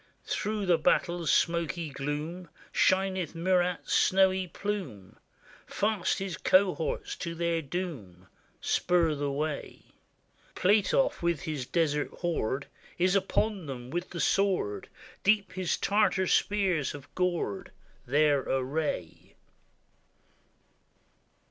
Through the battle's smoky gloom Shineth Murat's snowy plume; Fast his cohorts to their doom Spur the way. Platoff, with his desert horde, Is upon them with the sword; Deep his Tartar spears have gored Their array.